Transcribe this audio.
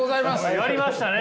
やりましたね。